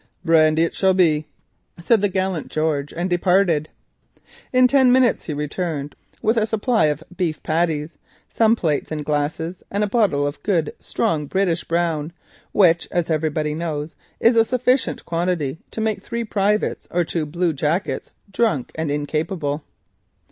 "Brandy it shall be," said the gallant George, and departed. In ten minutes he returned with a supply of beef patties, and a bottle of good, strong "British Brown," which as everybody knows is a sufficient quantity to render three privates or two blue jackets drunk and incapable.